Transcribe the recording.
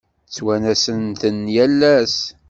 Ttwanasen-ten yal ass.